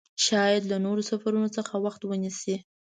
شاید له نورو سفرونو څخه وخت ونیسي.